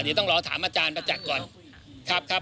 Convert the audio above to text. เดี๋ยวต้องรอถามอาจารย์ประจักษ์ก่อนครับ